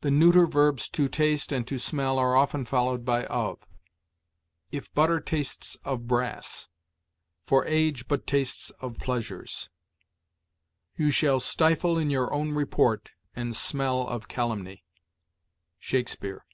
The neuter verbs to taste and to smell are often followed by of. "If butter tastes of brass." "For age but tastes of pleasures." "You shall stifle in your own report, and smell of calumny." Shakespeare.